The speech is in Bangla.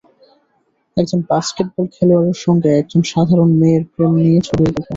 একজন বাস্কেটবল খেলোয়াড়ের সঙ্গে একজন সাধারণ মেয়ের প্রেম নিয়ে ছবির গল্প।